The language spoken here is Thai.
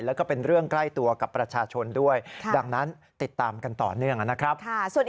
แล้วก็เป็นเรื่องใกล้ตัวกับประชาชนด้วยดังนั้นติดตามกันต่อเนื่องนะครับ